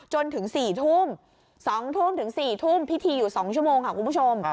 จนถึง๔ทุ่ม๒ทุ่มถึง๔ทุ่มพิธีอยู่๒ชั่วโมงค่ะคุณผู้ชม